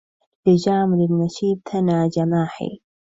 لجام للمشيب ثنى جماحي